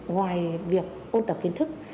ngoài việc ôn tập kiến thức